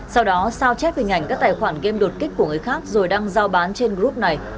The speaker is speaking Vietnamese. sau đó sao chép hình ảnh các tài khoản game đột kích của người khác rồi đăng giao bán trên group này